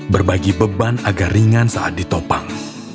berbagi beban agak ringan saat ditopang